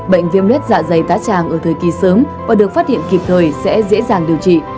bệnh viêm lết dạ dày cá tràng ở thời kỳ sớm và được phát hiện kịp thời sẽ dễ dàng điều trị